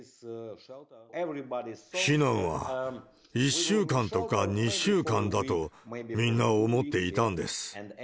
避難は１週間とか２週間だと、みんな思っていたんです。